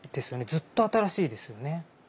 ずっと新しいですよね。